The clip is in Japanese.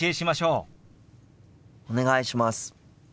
お願いします。